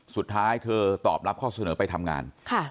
สุดท้ายเธอตอบรับข้อเสนอไปทำงาน